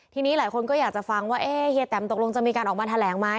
ทีนี้หลายคนก็อยากจะฟังว่าเฮียแตมตกลงจะมีการออกมาแถลงไหม